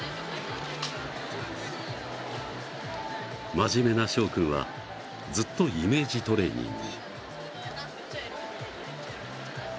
真面目なしょう君はずっとイメージトレーニング。